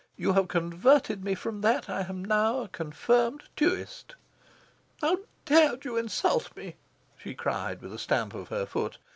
You have converted me from that. I am now a confirmed tuist." "How dared you insult me?" she cried, with a stamp of her foot.